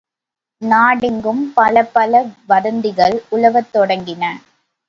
நாடெங்கும் பலப்பல வதந்திகள் உலவத் தொடங்கின.